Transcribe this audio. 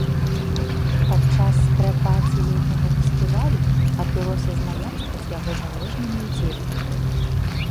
Падчас прэ-паці летняга фестывалю адбылося знаёмства з яго замежнымі ўдзельнікамі.